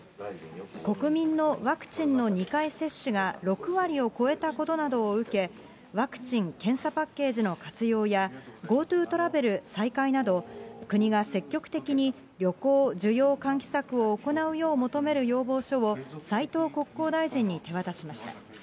国民のワクチンの２回接種が６割を超えたことなどを受け、ワクチン・検査パッケージの活用や、ＧｏＴｏトラベル再開など、国が積極的に旅行需要喚起策を行うよう求める要望書を、斉藤国交大臣に手渡しました。